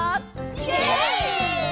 イエイ！